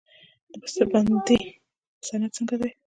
د بسته بندۍ صنعت څنګه دی؟